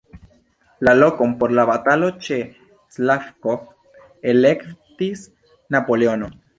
La lokon por la batalo ĉe Slavkov elektis Napoleono.